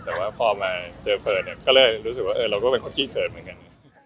แต่ว่าพอมาเจอเฟิร์นเนี่ยก็เลยรู้สึกว่าเราก็เป็นคนขี้เขินเหมือนกัน